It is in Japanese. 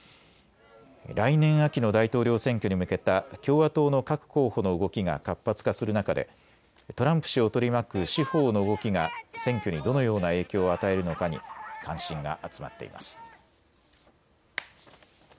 来年秋の大統領選挙に向けた共和党の各候補の動きが活発化する中でトランプ氏を取り巻く司法の動きが選挙にどのような影響を与えるのかに関心が集まっています。